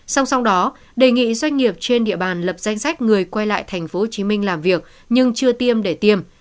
song song đó đề nghị doanh nghiệp trên địa bàn lập danh sách người quay lại tp hcm làm việc nhưng chưa tiêm để tiêm